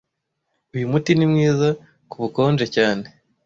Uyu muti ni mwiza kubukonje cyane